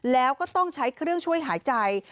แล้วก็ต้องใช้เครื่องช่วยหายใจ